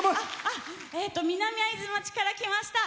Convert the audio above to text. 南会津町から来ました。